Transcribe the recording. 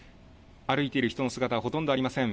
歩いている人の姿ほとんどありません。